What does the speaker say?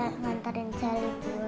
sayang selly kelahir juga yakin pria